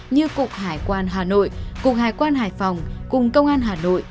như cục hải quan hà nội cục hải quan hải phòng cùng công an hà nội